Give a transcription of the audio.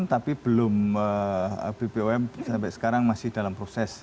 tapi bpoam sampai sekarang masih dalam proses